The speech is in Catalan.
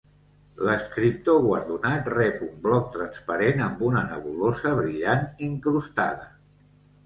L'escriptor guardonat rep un bloc transparent amb una nebulosa brillant incrustada.